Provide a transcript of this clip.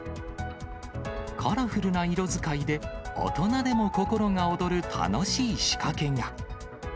カラフルな色使いで大人でも心が躍る楽しい仕掛けが。